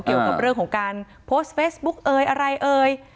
เกี่ยวกับเรื่องของการโพสต์เฟซบุ๊กเอ่ยอะไรเอ่ย